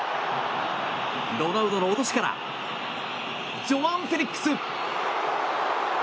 ロナウドの落としからジョアン・フェリックス！